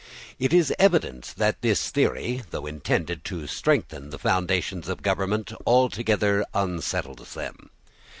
It is evident that this theory, though intended to strengthen the foundations of government, altogether unsettles them.